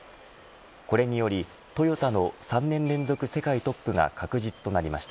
これにより、トヨタの３年連続世界トップが確実となりました。